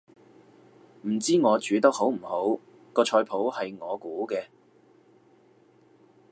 唔知我煮得好唔好，個菜譜係我估嘅